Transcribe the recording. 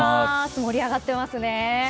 盛り上がっていますね。